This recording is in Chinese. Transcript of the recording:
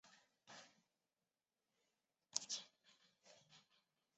魏斯瓦塞尔是德国萨克森州的一个市镇。